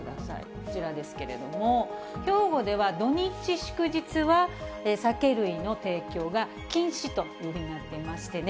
こちらですけれども、兵庫では土日祝日は酒類の提供が禁止というふうになっていましてね。